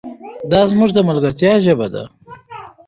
دا زموږ د ملګرتیا ژبه ده.